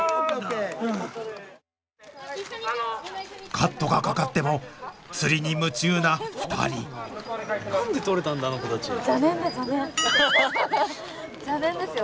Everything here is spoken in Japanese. カットがかかっても釣りに夢中な２人邪念ですよ。